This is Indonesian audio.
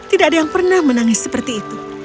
tidak ada yang pernah menangis seperti itu